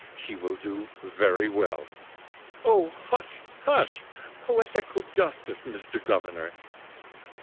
She will do very well." "Oh, hush! hush! Poetical justice, Mr. Governor!"